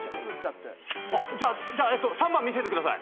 じゃあえっと３番見せてください。